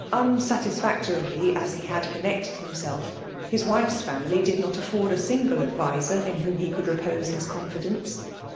Uil satkfactoril J as he had Gonnected himself, fab ivife's family did not afford a single adviser ht whom he could repose Us eonfidence.